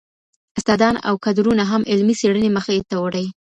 استادان او کدرونه هم علمي څېړني مخي ته وړي.